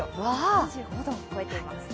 ２５度を超えています。